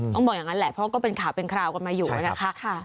บอกอย่างนั้นแหละเพราะก็เป็นข่าวเป็นคราวกันมาอยู่นะคะ